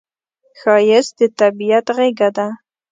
ښایست د طبیعت غېږه ده